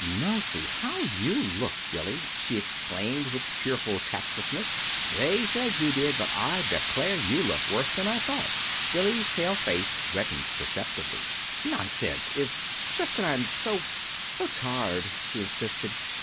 "Mercy! how you look, Billy!" she exclaimed, with cheerful tactlessness. "They said you did, but, I declare, you look worse than I thought." Billy's pale face reddened perceptibly. "Nonsense! It's just that I'm so so tired," she insisted.